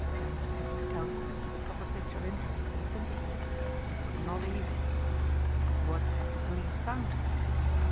Trent kept his countenance to the proper pitch of interest and sympathy. It was not easy. "What have the police found?"